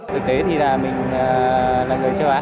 thực tế thì là mình là người